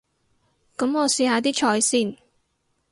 噉我試下啲菜先